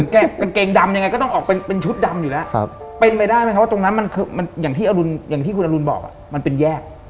กางเกงดำยังไงก็ต้องเป็นชุดดำอยู่แล้วเป็นไปได้ไหมคะว่าตรงนั้นอย่างที่คุณอรุณบอกมันเป็นแยก